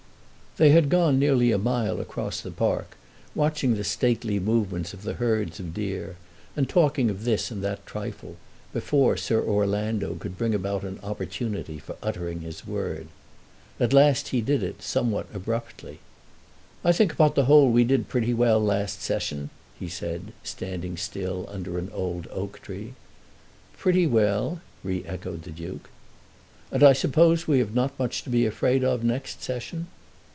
They had gone nearly a mile across the park, watching the stately movements of the herds of deer, and talking of this and that trifle, before Sir Orlando could bring about an opportunity for uttering his word. At last he did it somewhat abruptly. "I think upon the whole we did pretty well last Session," he said, standing still under an old oak tree. "Pretty well," re echoed the Duke. "And I suppose we have not much to be afraid of next Session?"